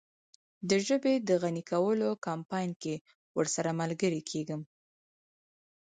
د ژبې د غني کولو کمپاین کې ورسره ملګری کیږم.